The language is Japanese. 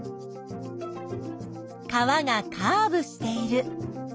川がカーブしている。